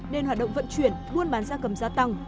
nên hoạt động vận chuyển buôn bán da cầm gia tăng